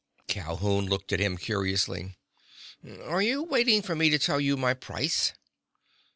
Calhoun looked at him curiously. "Are you waiting for me to tell you my price?"